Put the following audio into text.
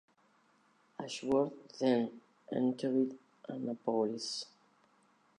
Ashworth then entered Annapolis.